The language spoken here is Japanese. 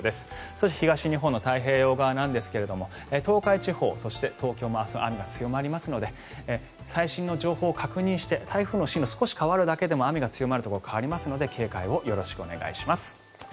そして、東日本の太平洋側なんですが東海地方、そして東京も雨が強まりますので最新の情報を確認して台風の進路、少し変わるだけでも雨が強まるところが変わりますので警戒をよろしくお願いします。